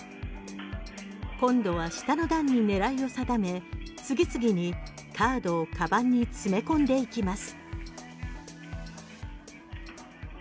今度は下の段に狙いを定め次々にカードをカバンに詰め込んでいきます。